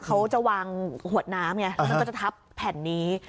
เขาจะวางขวดน้ำไงแล้วมันก็จะทับแผ่นนี้